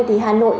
thì hà nội